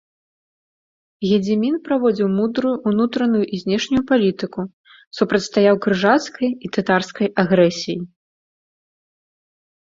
Гедзімін праводзіў мудрую ўнутраную і знешнюю палітыку, супрацьстаяў крыжацкай і татарскай агрэсіі.